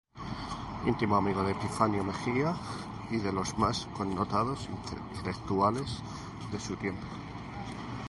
Intimo amigo de Epifanio Mejía y de los más connotados intelectuales de su tiempo.